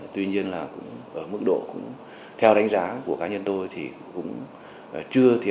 tuy nhiên là mức độ cũng theo đánh giá của cá nhân tôi thì cũng chưa thiệt